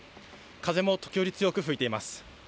風も時折強く吹いています。